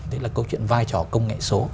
đấy là câu chuyện vai trò công nghệ số